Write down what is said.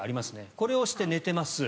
これをして寝ています。